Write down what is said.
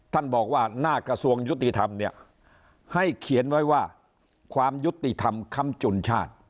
ท่านบอกว่าหน้ากระทรวงยุติธรรมเนี่ยให้เขียนไว้ว่าความยุติธรรมคำจุนชาติ